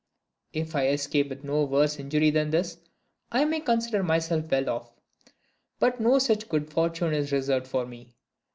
If I escape with no worse injury than this, I may consider myself well off. But no such good fortune is reserved for me.